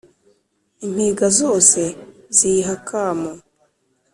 impinga zose ziyiha akamo